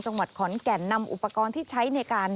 จังหวัดขอนแก่นนำอุปกรณ์ที่ใช้ในการ